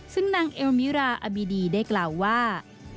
ซึ่งนางเอลมิราอบิดีได้กล่าวว่า